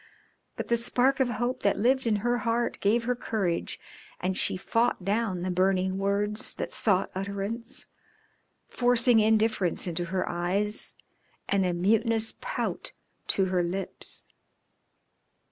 But the spark of hope that lived in her heart gave her courage, and she fought down the burning words that sought utterance, forcing indifference into her eyes and a mutinous pout to her lips.